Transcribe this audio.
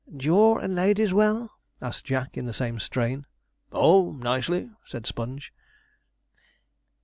'Jaw and the ladies well?' asked Jack, in the same strain. 'Oh, nicely,' said Sponge.